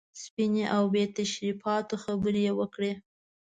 سپینې او بې تشریفاتو خبرې یې وکړې.